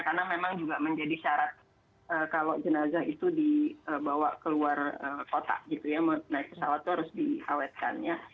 karena memang juga menjadi syarat kalau jenazah itu dibawa keluar kota gitu ya naik pesawat itu harus diawetkannya